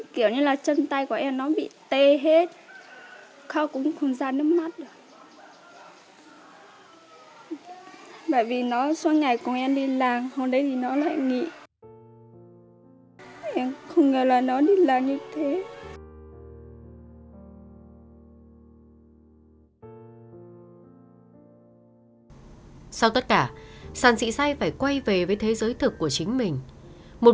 khoảnh khắc này chắc hẳn sẽ là khoảnh khắc ám ảnh mãi